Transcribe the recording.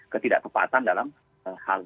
ketidakkepatan dalam hal